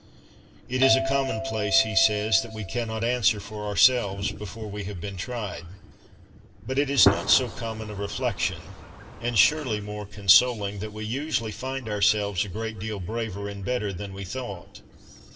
' It is a commonplace,' he says, ' that we cannot answer for ourselves before we have been tried. 96 CONFESSIONS OF A BOOK LOVER But it is not so common a reflection, and surely more consoling, that we usually find ourselves a great deal braver and better than we thought.